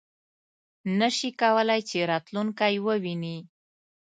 نه شي کولای چې راتلونکی وویني .